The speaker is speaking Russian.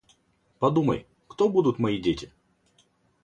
Подумай, кто будут мои дети?